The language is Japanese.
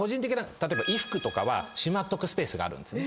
例えば衣服とかはしまっとくスペースがあるんですね。